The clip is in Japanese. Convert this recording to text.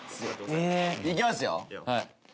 いきますよ。